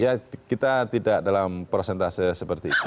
ya kita tidak dalam prosentase seperti itu